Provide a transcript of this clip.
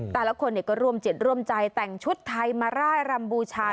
แต่ละคนก็ร่วมจิตร่วมใจแต่งชุดไทยมาร่ายรำบูชา